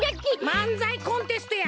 まんざいコンテストや！